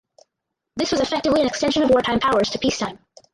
This was effectively an extension of wartime powers to peacetime.